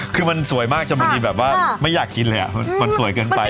คือมันสวยมากจนบางทีแบบว่าไม่อยากกินเลยมันสวยเกินไป